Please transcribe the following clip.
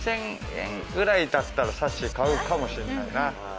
２０００円くらいだったら、さっしー買うかもしれないな。